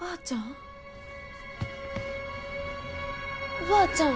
おばあちゃん！